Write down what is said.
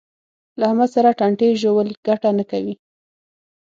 له احمد سره ټانټې ژول ګټه نه کوي.